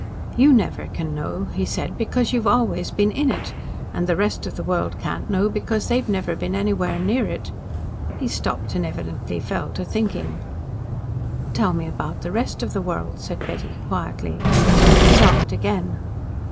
"You never can know," he said, "because you've always been in it. And the rest of the world can't know, because they've never been anywhere near it." He stopped and evidently fell to thinking. "Tell me about the rest of the world," said Betty quietly. He laughed again.